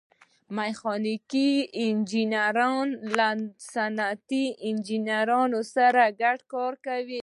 میخانیکي انجینران له صنعتي انجینرانو سره ګډ کار کوي.